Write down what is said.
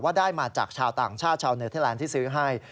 ได้มาจากชาวต่างชาติชาวเนเทอร์แลนด์ที่ซื้อให้